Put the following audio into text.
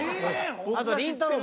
あとりんたろー。